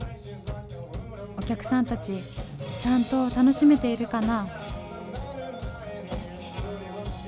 お客さんたちちゃんと楽しめているかな？